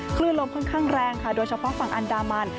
คลื่นลมค่อนข้างแรงค่ะโดยเฉพาะฝั่งอันดามัน